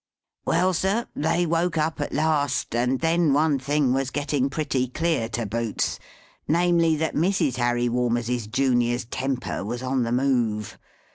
Well, sir, they woke up at last, and then one thing was getting pretty clear to Boots, namely, that Mrs. Harry Walmerses, Junior's, temper was on the move.